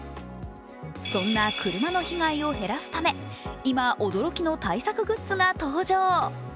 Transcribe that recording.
そんな車の被害を減らすため今、驚きの対策グッズが登場。